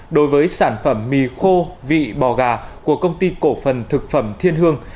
đối với sản phẩm mì khô vị bò gà của công ty cổ phần thực phẩm thiên hương